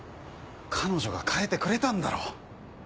彼女が変えてくれたんだろ？